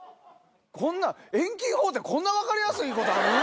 遠近法ってこんな分かりやすいことある？